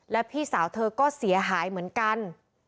และพี่สาวเธอก็เสียหายเหมือนกัน